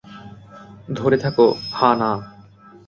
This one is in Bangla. ধরে থাকো, হা-না!